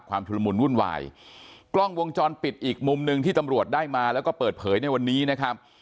ชุดละมุนวุ่นวายกล้องวงจรปิดอีกมุมหนึ่งที่ตำรวจได้มาแล้วก็เปิดเผยในวันนี้นะครับ